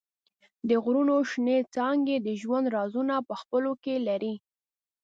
د غرونو شنېڅانګې د ژوند رازونه په خپلو کې لري.